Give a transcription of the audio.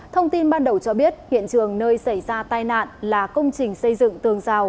thông tin ban đầu cho biết hiện trường nơi xảy ra tai nạn là công trình xây dựng tường rào